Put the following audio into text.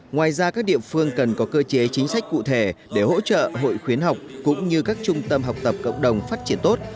ngoài ra các địa phương cần có cơ chế chính sách cụ thể để hỗ trợ hội khuyến học cũng như các trung tâm học tập cộng đồng phát triển tốt